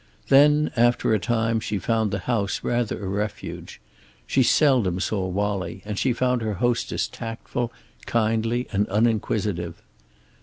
Then, after a time, she found the house rather a refuge. She seldom saw Wallie, and she found her hostess tactful, kindly and uninquisitive.